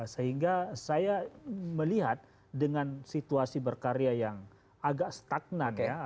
sehingga saya melihat dengan situasi berkarya yang agak stagnan ya